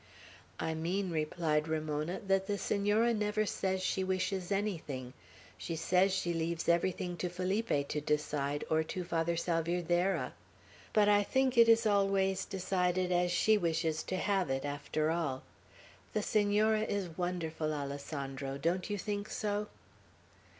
"I mean," replied Ramona, "that the Senora never says she wishes anything; she says she leaves everything to Felipe to decide, or to Father Salvierderra. But I think it is always decided as she wishes to have it, after all. The Senora is wonderful, Alessandro; don't you think so?"